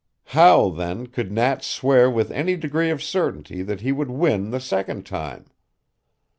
How, then, could Nat swear with any degree of certainty that he would win the second time.